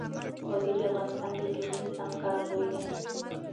وادي د افغانستان د اقلیمي نظام ښکارندوی ده.